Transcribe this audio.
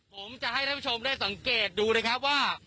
ผมจะให้ท่านผู้ชมได้สังเกตดูนะครับว่า